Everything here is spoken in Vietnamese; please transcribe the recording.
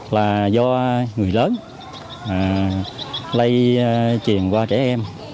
là do người lớn lây truyền qua trẻ em